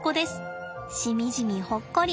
しみじみほっこり